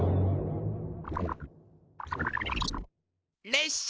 れっしゃ。